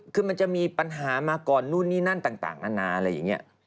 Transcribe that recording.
คือมันจะมีปัญหามาก่อนนู่นนี่นั่นต่างนานาอะไรอย่างนี้